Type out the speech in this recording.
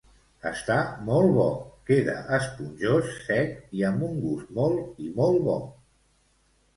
Està molt bo, queda esponjós, sec i amb un gust molt i molt bo.